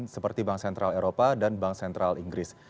seperti bank sentral eropa dan bank sentral inggris